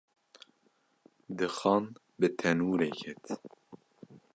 Dixan bi tenûrê ket.